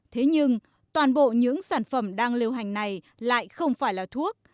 thế nhưng toàn bộ những sản phẩm đang lưu hành này lại không phải là thuốc